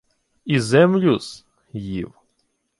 — І землю-с їв...